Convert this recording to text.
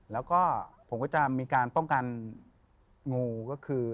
แล้วก็ผมก็จะมีการป้องกันงูก็คือ